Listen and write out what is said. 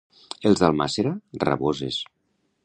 Els d'Almàssera, raboses.